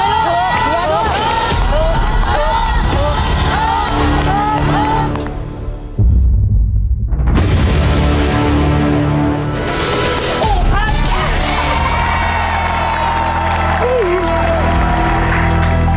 ถูก